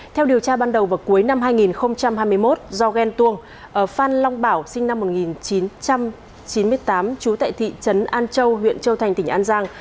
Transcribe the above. theo điều tra ban đầu vào cuối năm hai nghìn hai mươi một do ghen tuông phan long bảo sinh năm một nghìn chín trăm chín mươi tám trú tại thị trấn an châu huyện châu thành tỉnh an giang